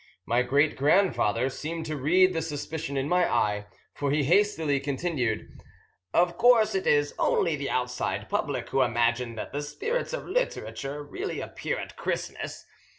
My great grandfather seemed to read the suspicion in my eye, for he hastily continued: "Of course it is only the outside public who imagine that the spirits of literature really appear at Christmas.